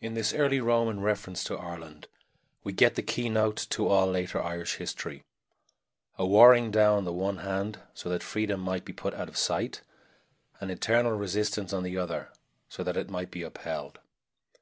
In this early Roman reference to Ireland we get the keynote to all later Irish history a warring down on the one hand, so that freedom might be put out of sight; an eternal resistance, on the other, so that it might be upheld.